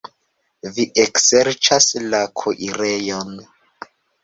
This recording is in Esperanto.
Vi ekserĉas la kuirejon.